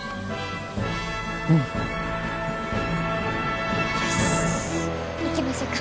うん！よし行きましょか。